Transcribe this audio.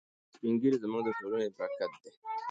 سپین ږیري زموږ د ټولنې برکت دی.